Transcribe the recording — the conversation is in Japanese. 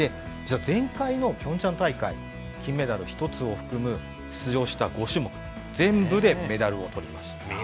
前回のピョンチャン大会、金メダル１つを含む出場した５種目全部でメダルをとりました。